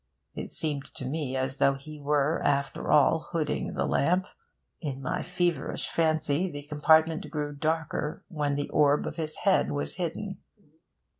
It seemed to me as though he were, after all, hooding the lamp; in my feverish fancy the compartment grew darker when the orb of his head was hidden.